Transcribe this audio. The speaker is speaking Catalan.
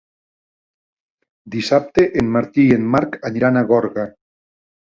Dissabte en Martí i en Marc aniran a Gorga.